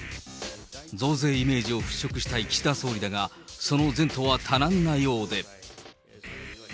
増税イメージを払拭したい岸田総理だが、その前途は多難なようで。